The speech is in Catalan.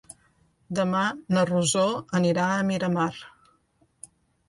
Demà na Rosó anirà a Miramar.